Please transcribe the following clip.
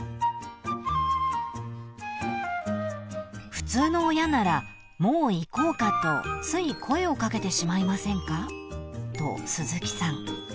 ［普通の親ならもう行こうかとつい声を掛けてしまいませんかと鈴木さん］